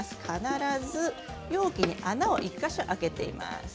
必ず容器に穴を１か所、開けています。